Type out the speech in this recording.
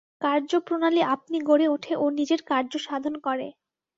কার্যপ্রণালী আপনি গড়ে ওঠে ও নিজের কার্য সাধন করে।